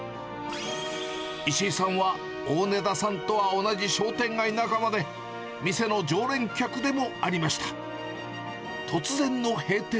石井さんは大根田さんとは同じ商店街仲間で、店の常連客でもありました。